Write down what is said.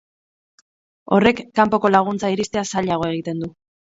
Horrek kanpoko laguntza iristea zailago egiten du.